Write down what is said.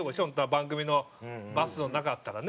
番組のバスの中だったらね。